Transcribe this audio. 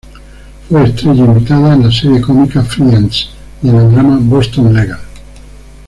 Fue estrella invitada en la serie cómica "Friends" y en el drama "Boston Legal".